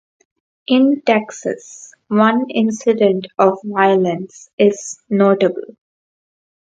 In Texas, one incident of violence is notable.